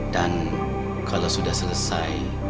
dan kalau sudah selesai